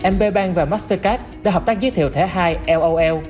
mb bank và mastercard đã hợp tác giới thiệu thẻ hai lol